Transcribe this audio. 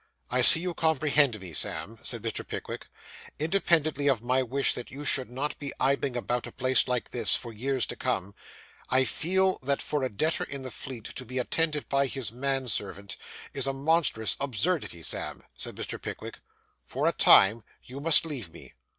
'I see you comprehend me, Sam,' said Mr. Pickwick. 'Independently of my wish that you should not be idling about a place like this, for years to come, I feel that for a debtor in the Fleet to be attended by his manservant is a monstrous absurdity. Sam,' said Mr. Pickwick, 'for a time you must leave me.